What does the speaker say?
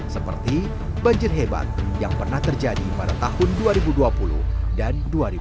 seperti banjir hebat yang pernah terjadi pada tahun dua ribu dua puluh dan dua ribu dua puluh